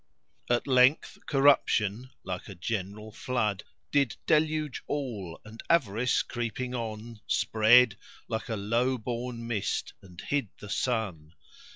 At length corruption, like a general flood, Did deluge all; and avarice creeping on, Spread, like a low born mist, and hid the sun.